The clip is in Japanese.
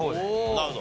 なるほど。